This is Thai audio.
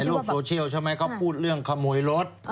โลกโซเชียลใช่ไหมเขาพูดเรื่องขโมยรถ